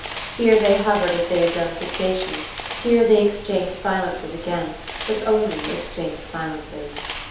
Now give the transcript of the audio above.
Here they hovered as they had done at the station; here they exchanged silences again, but only exchanged silences.